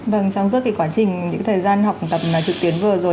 vâng trong suốt cái quá trình những thời gian học tập trực tuyến vừa rồi